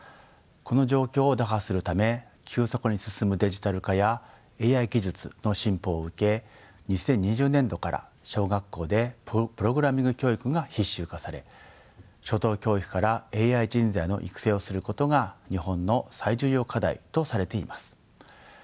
この状況を打破するため急速に進むデジタル化やＡＩ技術の進歩を受け２０２０年度から小学校でプログラミング教育が必修化され初等教育からＡＩ人材の育成をすることが日本の最重要課題とされています。